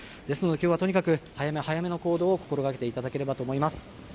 ですので、きょうはとにかく早め早めの行動を心がけていただければと思います。